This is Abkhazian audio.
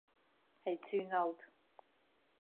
Ҳаицыҩналт.